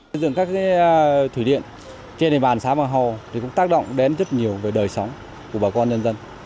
xây dựng các thủy điện trên đề bàn xã bản hồ thì cũng tác động đến rất nhiều về đời sống của bà con dân dân